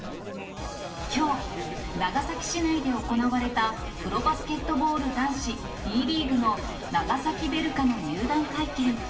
きょう、長崎市内で行われたプロバスケットボール男子Ｂリーグの長崎ヴェルカの入団会見。